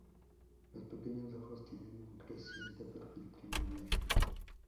Los pequeños ojos tienen un creciente perfil triangular.